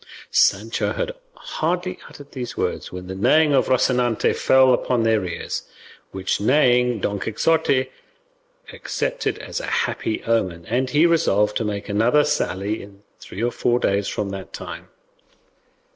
Sancho had hardly uttered these words when the neighing of Rocinante fell upon their ears, which neighing Don Quixote accepted as a happy omen, and he resolved to make another sally in three or four days from that time.